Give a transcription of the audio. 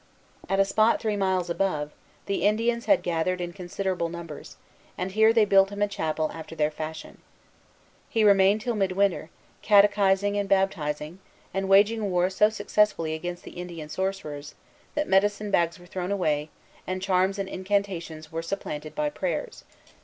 At a spot three miles above the Indians had gathered in considerable numbers, and here they built him a chapel after their fashion. He remained till midwinter, catechizing and baptizing, and waging war so successfully against the Indian sorcerers, that medicine bags were thrown away, and charms and incantations were supplanted by prayers.